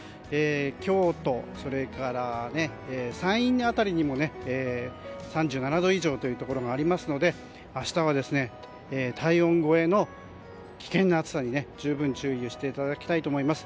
京都、山陰辺りにも３７度以上というところがありますので明日は体温超えの危険な暑さに十分注意をしていただきたいと思います。